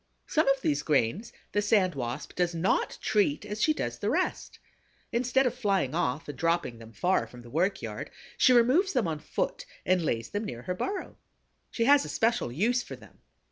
Some of these grains the Sand Wasp does not treat as she does the rest. Instead of flying off and dropping them far from the work yard, she removes them on foot and lays them near her burrow. She has a special use for them.